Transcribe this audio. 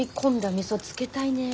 みそつけたいねえ。